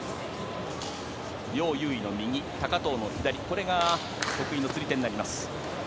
ヨウ・ユウイの右高藤の左これが得意の釣り手になります。